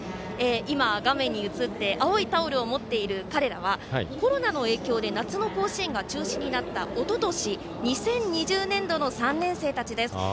今、画面に映って青いタオルを持っている彼らは、コロナの影響で夏の甲子園が中止になったおととし、２０２０年度の３年生たちです。